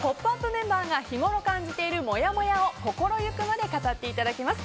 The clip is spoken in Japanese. メンバーが日ごろ感じているもやもやを心ゆくまで語っていただきます。